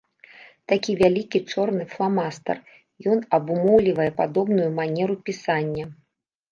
Такі вялікі чорны фламастар, ён абумоўлівае падобную манеру пісання.